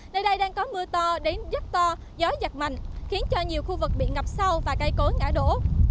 nơi đây đang có mưa to đến rất to gió giật mạnh khiến cho nhiều khu vực bị ngập sâu và cây cối ngã đổ